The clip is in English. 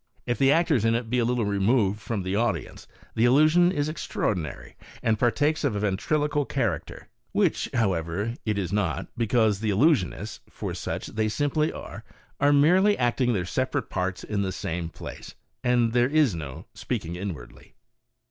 If the actors in it be a little removed from the audience the illusion is extraordinary, and partakes of a ventriloquial character — which, however, it is not, because the illusionists, for such they simply are, are merely acting their separate parts in the same place, and there is no " speaking inwardly."